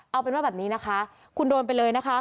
เอาเป็นว่าแบบนี้นะคะคุณโดนไปเลยนะคะ